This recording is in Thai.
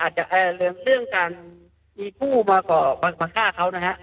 อาจจะเริ่มการมีผู้มาแก้ช่วยเขานะครับ